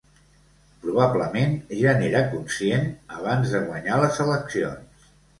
Probablement, ja n’era conscient abans de guanyar les eleccions.